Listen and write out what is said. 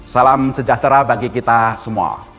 salam sejahtera bagi kita semua